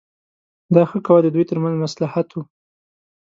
دا ښه کوه د دوی ترمنځ مصلحت و.